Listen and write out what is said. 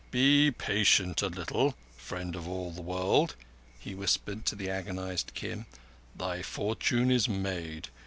"Be patient a little, Friend of all the World," he whispered to the agonized Kim. "Thy fortune is made.